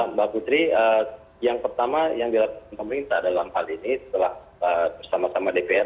mbak putri yang pertama yang dilakukan pemerintah dalam hal ini setelah bersama sama dpr